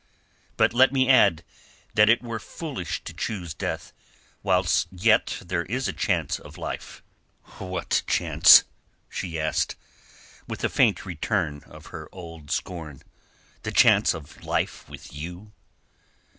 But let me add that it were foolish to choose death whilst yet there is a chance of life." "What chance?" she asked, with a faint return of her old scorn. "The chance of life with you?"